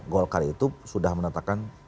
golkar itu sudah menetapkan